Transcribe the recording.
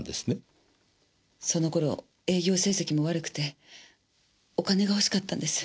その頃営業成績も悪くてお金が欲しかったんです。